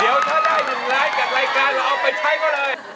เดี๋ยวเธอได้หนึ่งร้อยกับรายการเอาไปใช้ก็เลย